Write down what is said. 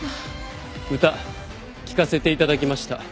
歌聞かせていただきました。